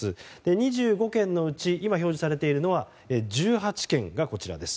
２５件のうち今表示されているのは１８件が、こちらです。